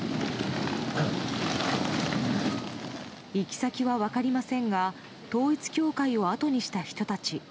行き先は分かりませんが統一教会を後にした人たち。